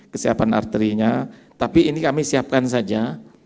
kesiapan arterinya tapi ini kami siapkan saja